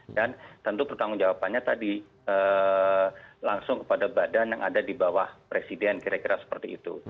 dan tentu pertanggung jawabannya tadi langsung kepada badan yang ada di bawah presiden kira kira seperti itu